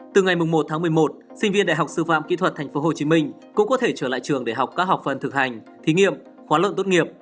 từ ngày một tháng một mươi một sinh viên đại học sư phạm kỹ thuật tp hcm cũng có thể trở lại trường để học các học phần thực hành thí nghiệm khóa luận tốt nghiệp